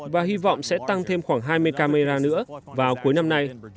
và hy vọng sẽ tăng thêm khoảng hai mươi camera nữa vào cuối năm nay